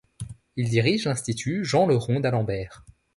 Il dirige l'Institut Jean-Le-Rond-d'Alembert.